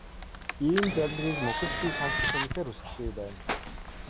Ийм зарлигийг мөхөс би сонсох үнэхээр хүсэлгүй байна.